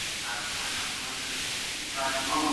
دوی په خپله څانګه ژوره پوهه لري.